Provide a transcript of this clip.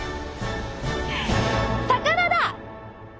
魚だ！